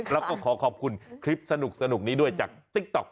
แล้วก็ขอขอบคุณคลิปสนุกนี้ด้วยจากติ๊กต๊อก